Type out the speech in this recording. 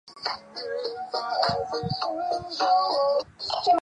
这张专辑推出了两只不同雷射唱片版本。